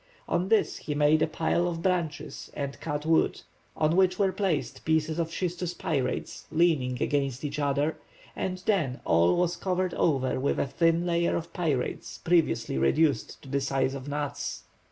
On this he made a pile of branches and cut wood, on which were placed pieces of schistous pyrites leaning against each other, and then all was covered over with a thin layer of pyrites previously reduced to the size of nuts.